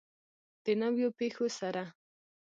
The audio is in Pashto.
د نویو پیښو سره.